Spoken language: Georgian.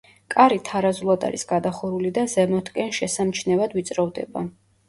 კარი თარაზულად არის გადახურული და ზემოთკენ შესამჩნევად ვიწროვდება.